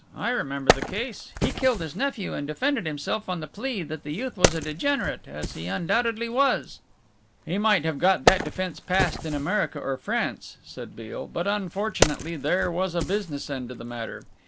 "I remember the case. He killed his nephew and defended himself on the plea that the youth was a degenerate, as he undoubtedly was." "He might have got that defence past in America or France," said Beale, "but unfortunately there was a business end to the matter.